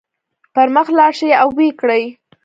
پر مخ لاړ شئ او ويې کړئ.